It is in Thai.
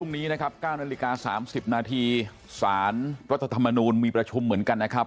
นี้นะครับ๙นาฬิกา๓๐นาทีสารรัฐธรรมนูลมีประชุมเหมือนกันนะครับ